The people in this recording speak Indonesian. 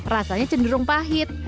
rasanya cenderung pahit